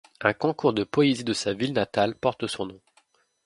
Un concours de poésie de sa ville natale porte son nom.